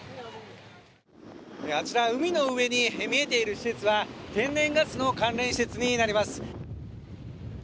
あちら海の上に見えている施設は、天然ガスの関連施設になります。